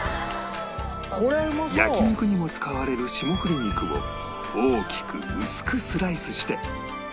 焼き肉にも使われる霜降り肉を大きく薄くスライスして